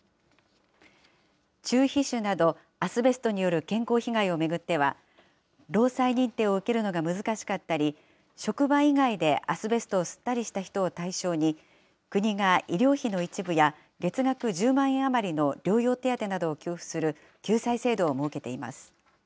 中皮腫など、アスベストによる健康被害を巡っては、労災認定を受けるのが難しかったり、職場以外でアスベストを吸ったりした人を対象に、国が医療費の一部や、月額１０万円余りの療養手当などを給付する救済制度を設けています。